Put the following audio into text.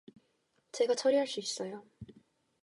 제가 처리할 수 있어요.